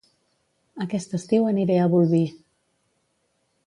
Aquest estiu aniré a Bolvir